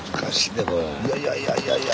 いやいやいやいや。